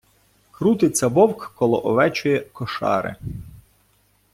Крутиться вовк коло овечої кошари.